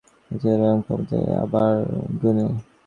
এত অপমানের কোনো প্রতিফল পাও না, সে কি তোমার ক্ষমতায় না আমার গুণে।